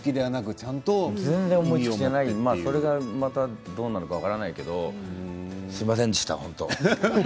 それはどうなるか分からないけれどすみませんでした、本当に。